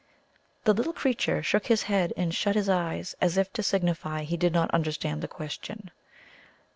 The little creature shook his head and shut his eyes, as if to signify he did not understand the question.